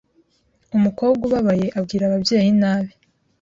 umukobwa ubabaye, abwira ababyeyi nabi